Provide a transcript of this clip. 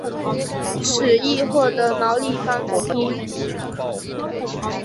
此议获得毛利方同意。